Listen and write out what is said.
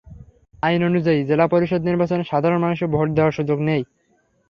আইন অনুযায়ী, জেলা পরিষদ নির্বাচনে সাধারণ মানুষের ভোট দেওয়ার সুযোগ নেই।